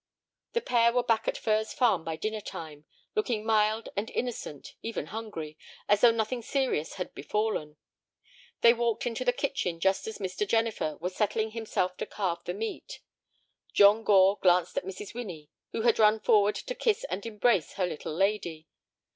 The pair were back at Furze Farm by dinner time, looking mild and innocent, even hungry, as though nothing serious had befallen. They walked into the kitchen just as Mr. Jennifer was settling himself to carve the meat. John Gore glanced at Mrs. Winnie, who had run forward to kiss and embrace her "little lady."